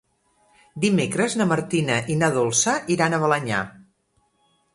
Dimecres na Martina i na Dolça iran a Balenyà.